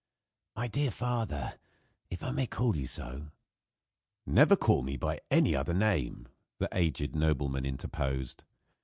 "My dear father, if I may call you so " "Never call me by any other name," the aged nobleman interposed.